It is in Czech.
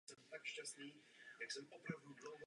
V následujících letech se nabídka služeb rozšířila.